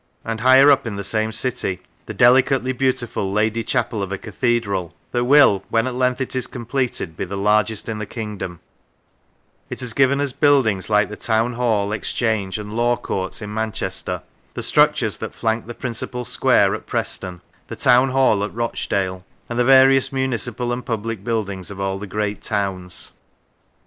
: and higher up in the same city the delicately beautiful lady chapel of a cathedral that will, when at length it is completed, be the largest in the kingdom; it has given us buildings like the Town Hall, Exchange, and Law Courts in Manchester : the structures that flank the principal square at Preston : the Town Hall at Rochdale : and the various municipal and public buildings of all the great towns.